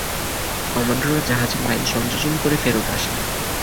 কমান্ডোরা জাহাজে মাইন সংযোজন করে ফেরত আসেন।